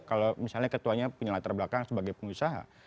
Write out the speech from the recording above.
kalau misalnya ketuanya punya latar belakang sebagai pengusaha